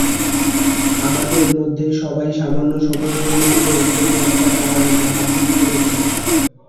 আমাদের মধ্যে সবাই সামান্য সময়ের জন্য হলেও কোনো একটা কারণে জাহাজ চুরি করেছে।